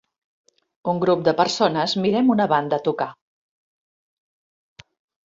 Un grup de persones mirem una banda tocar.